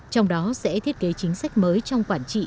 trong đó sẽ thiết kế chính sách mới trong quản trị